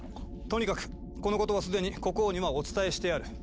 とにかくこのことは既に国王にはお伝えしてある。